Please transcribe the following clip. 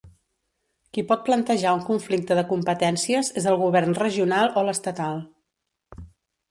Qui pot plantejar un conflicte de competències és el govern regional o l'estatal.